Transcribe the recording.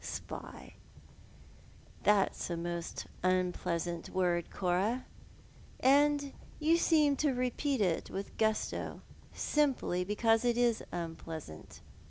" Spy. That's a most unpleasant word, Cora, and you seem to repeat it with gusto simply because it is uni^easant.